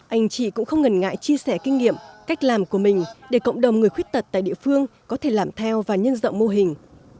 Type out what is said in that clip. anh chị cũng không ngần ngại chia sẻ kinh nghiệm cách làm của mình để cộng đồng người khuyết tật tại địa phương có thể làm theo và nhân rộng mô hình